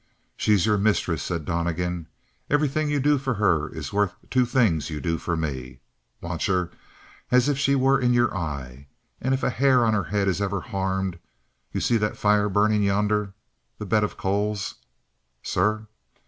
"She's your mistress," said Donnegan. "Everything you do for her is worth two things you do for me. Watch her as if she were in your eye. And if a hair of her head is ever harmed you see that fire burning yonder the bed of coals?" "Sir?"